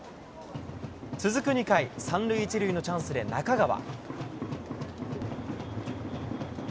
続く２回、３塁１塁のチャンスで中川。